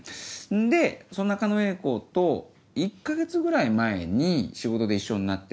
でそんな狩野英孝と１か月ぐらい前に仕事で一緒になって。